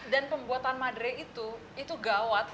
dan pembuatan madre itu itu gawat